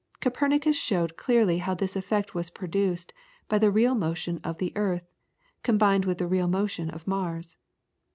Copernicus showed clearly how this effect was produced by the real motion of the earth, combined with the real motion of Mars.